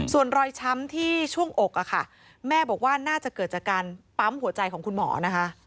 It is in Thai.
ส่วนรอยช้ำที่ช่วงอกอะค่ะแม่บอกว่าน่าจะเกิดจากการปั๊มหัวใจของคุณหมอนะคะ